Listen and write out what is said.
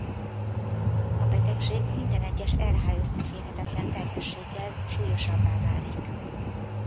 A betegség minden egyes Rh-összeférhetetlen terhességgel súlyosabbá válik.